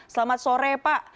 selamat sore pak